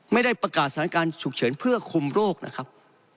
ไม่ได้ประกาศสถานการณ์ฉุกเฉินเพื่อคุมโรคนะครับ